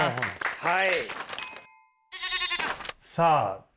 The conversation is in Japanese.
はい。